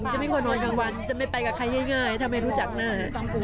จะไม่ควรนอนกลางวันจะไม่ไปกับใครง่ายถ้าไม่รู้จักหน้า